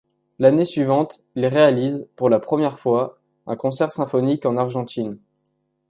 L’année suivante il réalise, pour la première fois, un concert symphonique en Argentine.